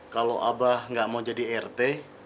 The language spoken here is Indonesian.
kalau abah gak mau jadi ert